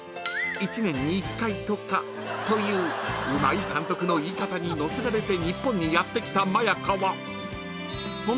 ［といううまい監督の言い方に乗せられて日本にやって来た真也加は］